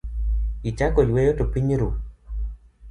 Ichako yueyo to piny ru.